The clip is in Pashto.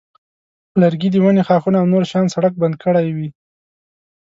لرګي د ونې ښاخونه او نور شیان سړک بند کړی وي.